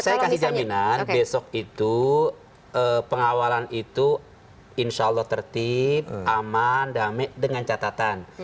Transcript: saya kasih jaminan besok itu pengawalan itu insya allah tertib aman damai dengan catatan